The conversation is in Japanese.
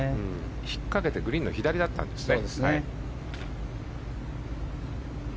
引っ掛けてグリーンの左だったんですね。